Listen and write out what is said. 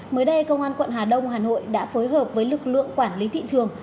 mới đây công an quận hà đông hà nội đã phối hợp với lực lượng quản lý thị trường